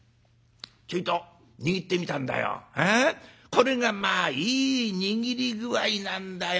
これがまあいい握り具合なんだよ。